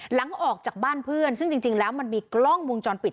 หลังจากออกจากบ้านเพื่อนซึ่งจริงแล้วมันมีกล้องวงจรปิด